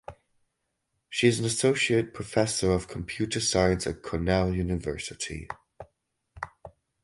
She is an associate professor of computer science at Cornell University.